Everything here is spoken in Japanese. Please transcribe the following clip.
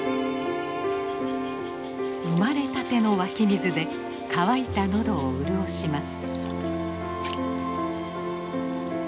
生まれたての湧き水で渇いた喉を潤します。